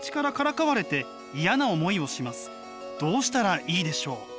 「どうしたらいいでしょう？」。